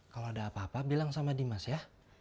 kalau ada apa apa bilang sama dimas ya